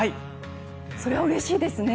それはうれしいですよね。